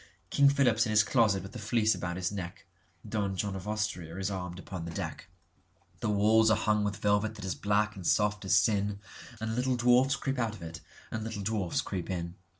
King Philip's in his closet with the Fleece about his neck(Don John of Austria is armed upon the deck.)The walls are hung with velvet that is black and soft as sin, And little dwarfs creep out of it and little dwarfs creep in.